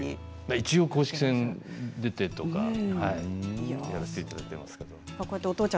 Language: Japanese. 一応、公式戦に出たりとかやらせていただいています。